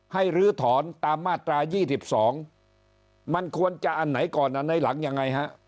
ลื้อถอนตามมาตรา๒๒มันควรจะอันไหนก่อนอันไหนหลังยังไงฮะ